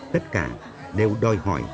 tất cả đều đòi hỏi